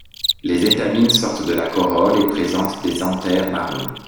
Les étamines sortent de la corolle et présentent des anthères marron.